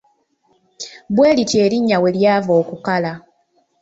Bwe lityo erinnya we lyava okukala.